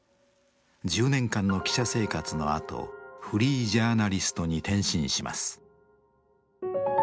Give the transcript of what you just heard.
１０年間の記者生活のあとフリージャーナリストに転身します。